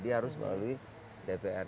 dia harus melalui mpr